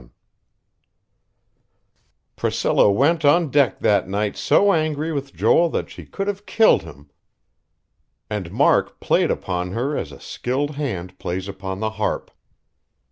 XI Priscilla went on deck that night so angry with Joel that she could have killed him; and Mark played upon her as a skilled hand plays upon the harp.